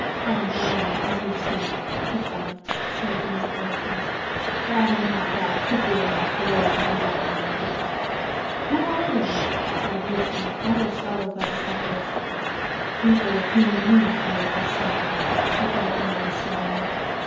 I am dying, as you see," he cried, striking his hollow chest, "but I may not die quickly enough for those who desire my death." "Who are they?" cried Lucian, rather startled by this outburst. "People with whom you have no concern," replied the man sullenly.